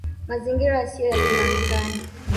Mazingira Yasiyo ya Kimarekani